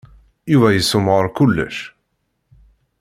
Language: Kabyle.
Yuba yessemɣar kullec.